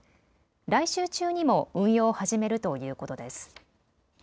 来週中にも運用を始めるということです。